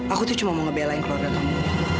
aku tuh cuma mau ngebelain keluarga kamu